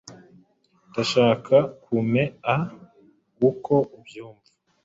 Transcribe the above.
Ndashaka kumea uko ubyumva.